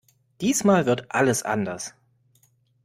Diesmal wird alles anders!